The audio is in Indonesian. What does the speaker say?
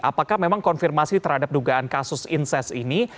apakah memang konfirmasi terhadap dugaan kasus inses ini